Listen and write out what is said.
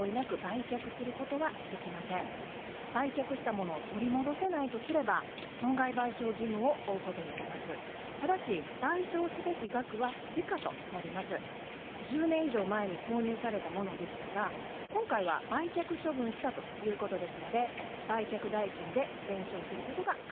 この間に預けた人も預かった人もお互い１０年以上前に購入されたものでしたが今回は売却処分したということですので売却代金で弁償することが考えられます。